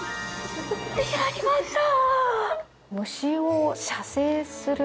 やりました。